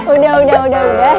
udah udah udah udah